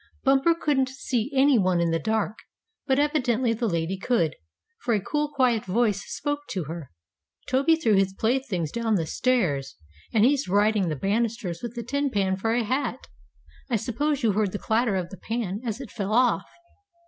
Bumper couldn't see any one in the dark, but evidently the lady could, for a cool, quiet voice spoke to her. "Toby threw his playthings down the stairs, and he's riding the banisters with a tin pan for a hat. I suppose you heard the clatter of the pan as it fell off."